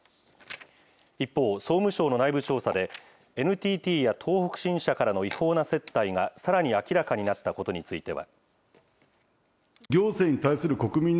一方、総務省の内部調査で、ＮＴＴや東北新社からの違法な接待がさらに明らかになったことについては。